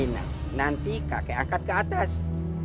tidak nanti kakek akan ke atas